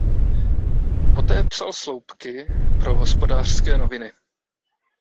Poté psal sloupky pro "Hospodářské noviny".